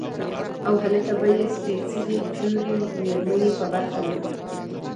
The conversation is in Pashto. او هلته به ئې سپېڅلې جوړې ميرمنې په برخه وي